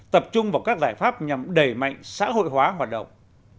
tập trung vào các giải pháp nhằm đẩy mạnh xã hội hóa hoạt động